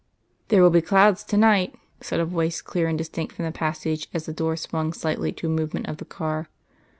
"There will be clouds to night," said a voice clear and distinct from the passage, as the door swung slightly to a movement of the car.